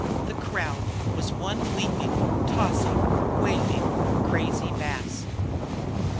The crowd was one leaping, tossing, waving, Crazy mass.